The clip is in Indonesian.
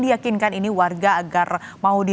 diakinkan ini warga agar mau